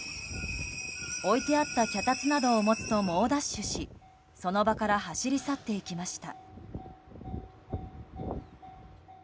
置いてあった脚立などを持つと猛ダッシュしその場から走り去っていきました。